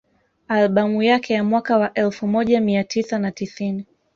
Albamu yake ya mwaka wa elfu moja mia tisa na tisini